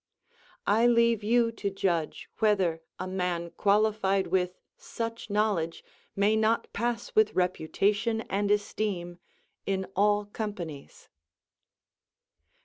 I leave you to judge whether a man qualified with such knowledge may not pass with reputation and esteem in all companies.